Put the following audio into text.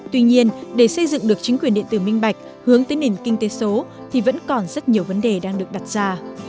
tuy nhiên để xây dựng được chính quyền điện tử minh bạch hướng tới nền kinh tế số thì vẫn còn rất nhiều vấn đề đang được đặt ra